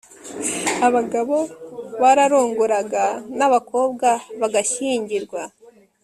abagabo bararongoraga n abakobwa bagashyingirwa